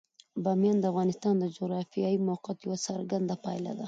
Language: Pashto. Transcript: بامیان د افغانستان د جغرافیایي موقیعت یوه څرګنده پایله ده.